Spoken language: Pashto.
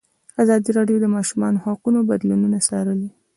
ازادي راډیو د د ماشومانو حقونه بدلونونه څارلي.